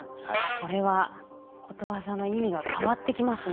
これはことわざの意味が変わってきますね。